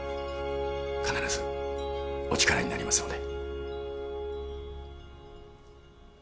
必ずお力になりますので。